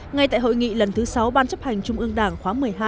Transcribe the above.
ngay tại hội nghị lần thứ sáu ban chấp hành trung ương đảng khóa một mươi hai